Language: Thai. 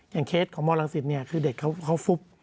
อย่างเคสของมลังศิษฐ์นี่คือเด็กเขาฟุ๊บ